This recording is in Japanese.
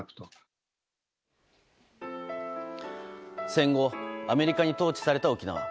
戦後アメリカに統治された沖縄。